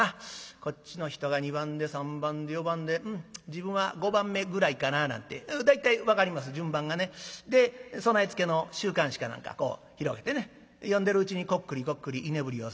こっちの人が２番で３番で４番でうん自分は５番目ぐらいかな」なんて大体分かります順番がね。で備え付けの週刊誌か何かこう広げてね読んでるうちにこっくりこっくり居眠りをする。